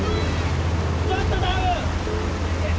ちょっとダウン！